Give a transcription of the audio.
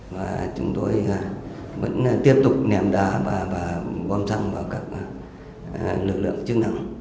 và chúng tôi vẫn tiếp tục ném đá và bom xăng vào các lực lượng chức năng